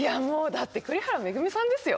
だって栗原恵さんですよ？